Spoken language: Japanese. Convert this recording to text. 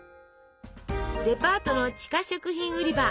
デパートの地下食品売り場。